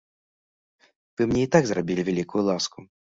Вы мне і так зрабілі вялікую ласку.